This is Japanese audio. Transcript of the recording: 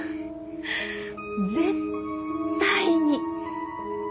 絶対に！